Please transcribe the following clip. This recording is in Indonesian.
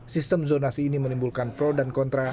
sistem zonasi ini menimbulkan pro dan kontra